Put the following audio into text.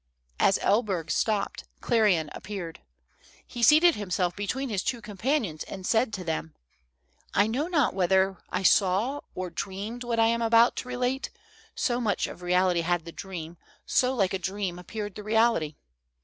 As Elberg stopped, Clerian appeared. He seated him self between his two companions and said to them : ''I know not whether I saw or dreamed what I am about to relate, so much of reality had the dream, so like a dream appeared the reality.